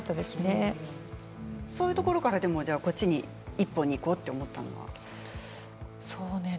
そういうところからこちら１本でいこうと思ったのは？